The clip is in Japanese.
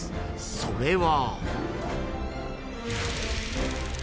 それは］